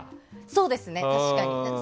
そうですね、確かにね。